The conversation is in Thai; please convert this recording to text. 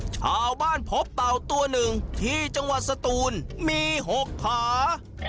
ชาวบ้านพบเต่าตัวหนึ่งที่จังหวัดสตูนมี๖ผา